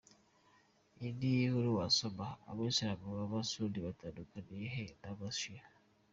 Indi nkuru wasoma: Abayisilamu b’aba suni batandukaniye he n’aba shia?.